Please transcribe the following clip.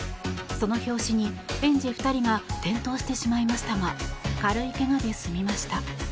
その拍子に、園児２人が転倒してしまいましたが軽いけがで済みました。